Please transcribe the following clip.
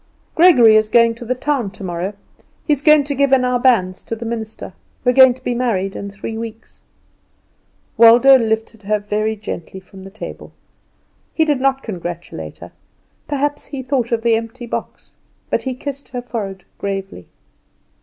"Gregory is going to the town tomorrow. He is going to give in our bans to the minister; we are going to be married in three weeks." Waldo lifted her very gently from the table. He did not congratulate her; perhaps he thought of the empty box, but he kissed her forehead gravely.